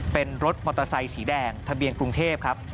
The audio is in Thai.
เป็นรถมอเตอร์ไซสีแดงทะเบียนกรุงเทพครับ